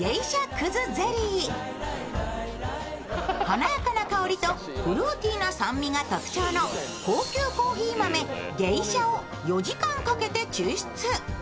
華やかな香りとフルーティーな酸味が特徴の高級コーヒー豆ゲイシャを４時間かけて抽出。